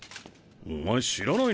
お前知らないのか？